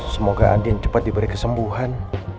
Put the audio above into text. semoga andien cepet diberi kesembuhan